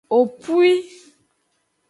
Opwi.